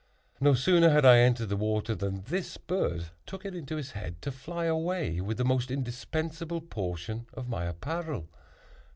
No sooner had I entered the water than this bird took it into its head to fly away with the most indispensable portion of my apparel.